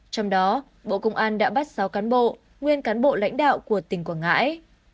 trong đó bộ công an đã bắt sáu cán bộ nguyên cán bộ lãnh đạo của tỉnh quảng ngãi